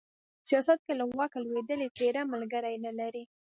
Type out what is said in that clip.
سياست کې له واکه لوېدلې څېره ملگري نه لري